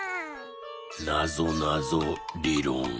「なぞなぞりろん」。